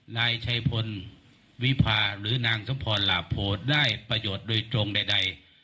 นายชัยพลวิพาหรือนางสมพรหลาโพได้ประโยชน์โดยตรงใด